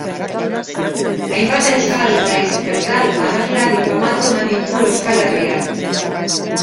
Hainbat euskal nahiz erdal abeslari famatu eman ditu Euskal Herriak.